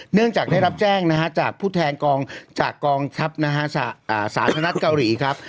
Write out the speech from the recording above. เนื่องจากได้รับแจ้งนะครับจากผู้แทงกองทัพสาธารณัฐเกาหลีครับ